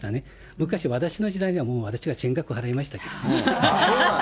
昔、私の時代にはもう私が全額払いましたけどね。